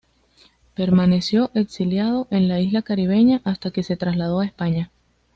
Permaneció exiliado en la isla caribeña hasta que se trasladó a España.